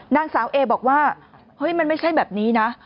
นางสาวเอบอกว่าเฮ้ยมันไม่ใช่แบบนี้นะ